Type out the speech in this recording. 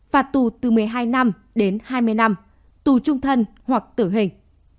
phạt tù từ một mươi hai năm đến hai mươi năm tù trung thân hoặc tử hình